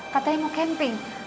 katanya mau camping